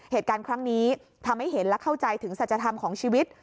เหตุการณ์ครั้งนี้ทำให้เห็นและเข้าใจถึงสัจธรรมของชีวิต